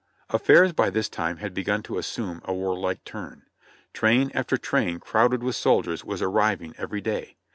Affairs by this time had begun to assume a warlike turn; train after train crowded with soldiers was arriving every day.